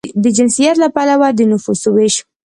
د جنسیت له پلوه د نفوسو وېش